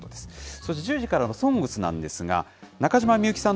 そして１０時からのＳＯＮＧＳなんですが、中島みゆきさん